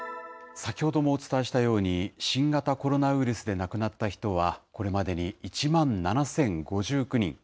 先ほどもお伝えしたように、新型コロナウイルスで亡くなった人は、これまでに１万７０５９人。